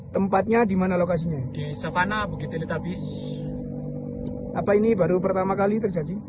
tempatnya dimana lokasinya di savannah bukit elitabis apa ini baru pertama kali terjadi